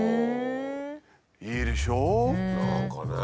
いいでしょう？